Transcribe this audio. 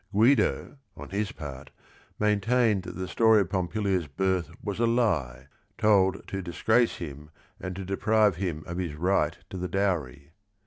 Guido, on his part, maintained that the story of Pompilia's birth was a lie, told to disgrace him and to deprive him of his right to the dowry.